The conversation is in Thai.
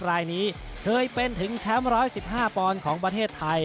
รายนี้เคยเป็นถึงแชมป์๑๑๕ปอนด์ของประเทศไทย